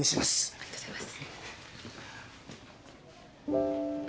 ありがとうございます。